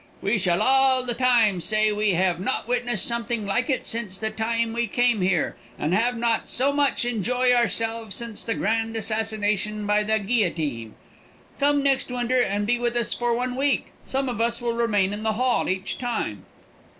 We shall all the time say we have not witness something like it since the time we come here, and have not so much enjoy ourselves since the grand assassination by the guillotine. Come next winter and be with us for one week. Some of us will remain in the hall each time."